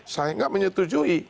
saya nggak menyetujui